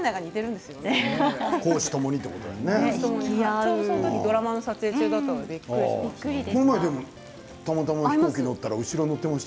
ちょうどドラマの撮影中だったのでびっくりしました。